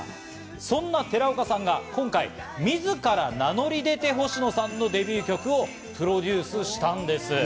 そんな寺岡さんが今回、みずから名乗り出て、星野さんのデビュー曲をプロデュースしたんです。